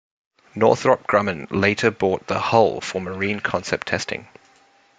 Northrop Grumman later bought the hull for marine-concept testing.